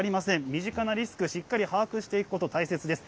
身近なリスク、しっかり把握していくこと、大切です。